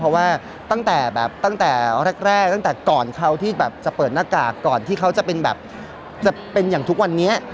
เพราะว่าตั้งแต่แบบตั้งแต่แรกตั้งแต่ก่อนเขาที่แบบจะเปิดหน้ากากก่อนที่เขาจะเป็นแบบจะเป็นอย่างทุกวันนี้